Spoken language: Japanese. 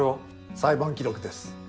裁判記録です。